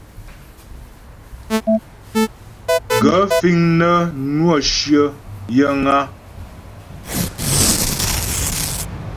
Gaə̂ fíŋ nə́ nwə́ shyə yəŋ a ?